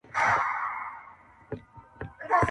• له دې مالت او له دې ښاره شړم -